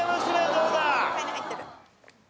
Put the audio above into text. どうだ？